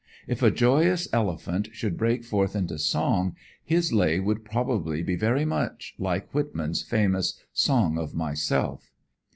If a joyous elephant should break forth into song, his lay would probably be very much like Whitman's famous "song of myself."